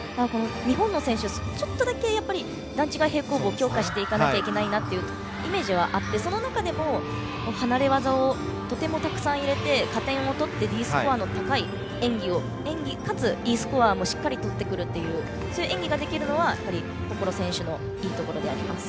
日本の選手、ちょっとだけやっぱり、段違い平行棒強化していかなきゃいけないイメージはあってその中でも離れ技をとてもたくさん入れて加点を取ってＤスコアの高い演技かつ、Ｅスコアもしっかり取ってくるそういう演技ができるのはこころ選手のいいところです。